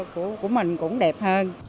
thì mình cũng đẹp hơn